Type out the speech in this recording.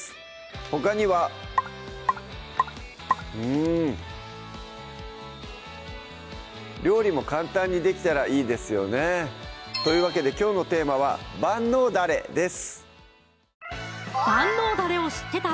ほかにはうん料理も簡単にできたらいいですよねというわけできょうのテーマは「万能ダレ！」です